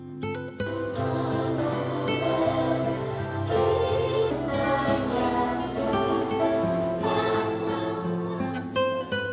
kisah yang terbang